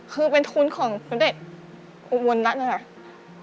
คือเป็นทุนของเด็กอุบวนรัฐนะครับ